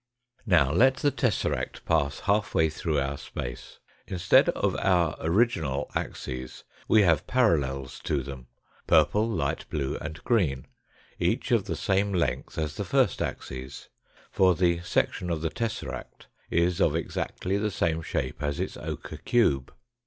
Now let the tesseract pass half way through our space. Instead of our original axes we have parallels to them, purple, light blue, and green, each of the same length as the first axes, for the section of the tesseract is of exactly the same shape as its ochre cube.